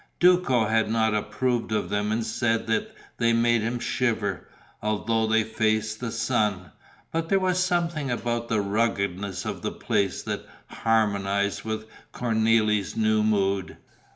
Duco had not approved of them and said that they made him shiver, although they faced the sun; but there was something about the ruggedness of the place that harmonized with Cornélie's new mood.